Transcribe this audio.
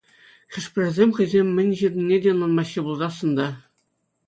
Хӑшпӗрисем хӑйсем мӗн ҫырнине те ӑнланмаҫҫӗ пулсассӑн та.